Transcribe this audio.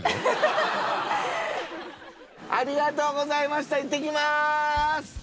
ありがとうございましたいってきます！